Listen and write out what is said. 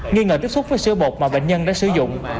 nghi ngờ tiếp xúc với sữa bột mà bệnh nhân đã sử dụng